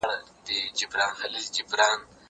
زه به اوږده موده د کتابتون پاکوالی کړی وم!